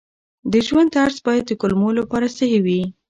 د ژوند طرز باید د کولمو لپاره صحي وي.